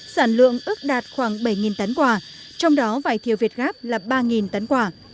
sản lượng ước đạt khoảng bảy tấn quả trong đó vải thiều việt gáp là ba tấn quả